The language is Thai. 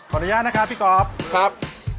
ขออนุญาตนะคะพี่กอล์ฟครับ